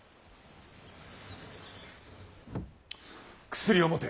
薬を持て。